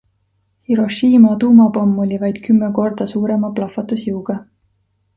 Hiroshima tuumapomm oli vaid kümme korda suurema plahvatusjõuga.